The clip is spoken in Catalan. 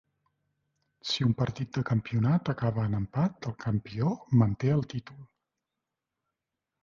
Si un partit de campionat acaba en empat, el campió manté el títol.